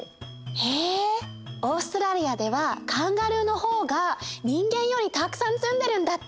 へえオーストラリアではカンガルーのほうが人間よりたくさんすんでるんだって！